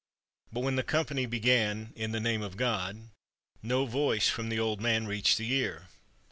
But when the company began, "In the name of God," no voice from the old man reached the ear.